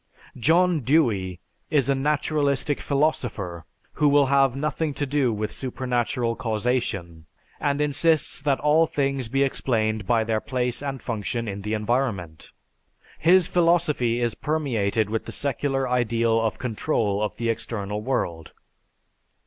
John Dewey is a naturalistic philosopher who will have nothing to do with supernatural causation and insists that all things be explained by their place and function in the environment. His philosophy is permeated with the secular ideal of control of the external world.